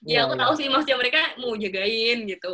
ya aku tahu sih maksudnya mereka mau jagain gitu